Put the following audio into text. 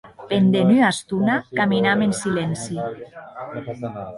Pendent ua estona caminam en silenci.